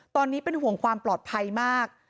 ตอนนี้เป็นห่วงความปลอดภัยมาก